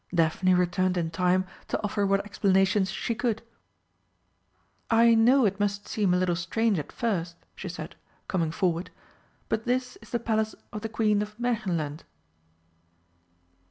Daphne returned in time to offer what explanations she could. "I know it must seem a little strange at first," she said, coming forward, "but this is the Palace of the Queen of Märchenland."